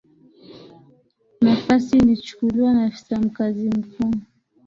nafasi ilichukuliwa na afisa mkazi mkuu